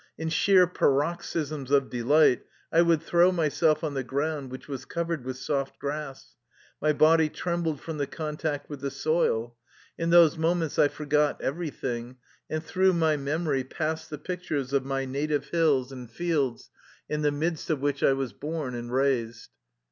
In sheer paroxysms of de light I would throw myself on the ground, which was covered with soft grass. My body trembled from the contact with the soil. In those mo ments I forgot everything, and through my memory passed the pictures of my native hills 238 THE LIFE STOEY OF A KUSSIAN EXILE and fields, in the midst of which I was born and raised.